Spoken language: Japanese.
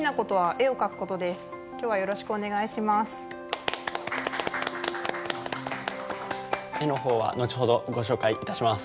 絵の方は後ほどご紹介いたします。